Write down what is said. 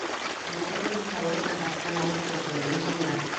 Һөнәре буйынса ул сәнғәттән алыҫ кеше — инженер.